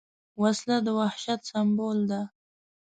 وسله د وحشت سمبول ده